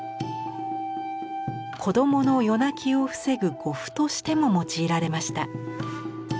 子どもの夜泣きを防ぐ護符としても用いられました。